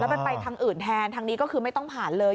มันไปทางอื่นแทนทางนี้ก็คือไม่ต้องผ่านเลย